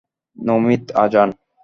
Namit, Azan.